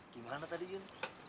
gimana tadi yun